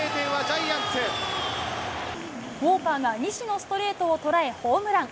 ウォーカーが西のストレートを捉え、ホームラン。